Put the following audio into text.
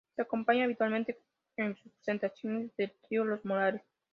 Se acompaña habitualmente en sus presentaciones del Trío Los Morales.